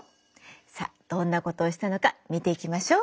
さあどんなことをしたのか見ていきましょう。